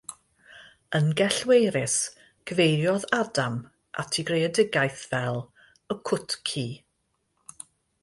Yn gellweirus, cyfeiriodd Adam at ei greadigaeth fel ‘Y Cwt Ci'.